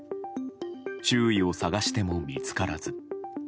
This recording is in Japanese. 周囲を捜しても見つからず。